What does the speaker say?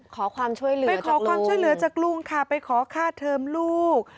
ขอความช่วยเหลือจากลุงค่ะไปขอค่าเทิมลูกไปขอความช่วยเหลือจากลุง